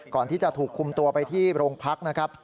ก่อนที่จะถูกคุมตัวไปที่โรงพักนะครับ